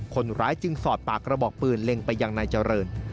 คนร้ายจึงสอดปากกระบอกปืนเล็งไปยังนายเจริญ